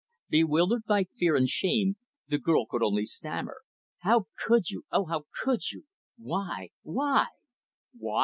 Bewildered by fear and shame, the girl could only stammer, "How could you oh how could you! Why, why " "Why!"